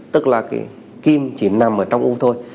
tức là kim chỉ nằm ở trong u thôi